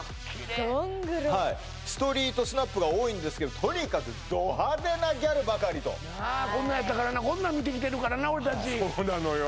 ゴングロストリートスナップが多いんですけどとにかくド派手なギャルばかりとなあこんなやったからなこんなん見てきてるからな俺たちそうなのよ